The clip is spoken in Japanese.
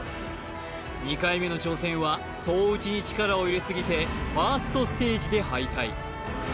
２回目の挑戦は双打に力を入れすぎて１ｓｔステージで敗退